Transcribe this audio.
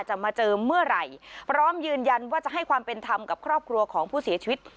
มาเจอเมื่อไหร่พร้อมยืนยันว่าจะให้ความเป็นธรรมกับครอบครัวของผู้เสียชีวิต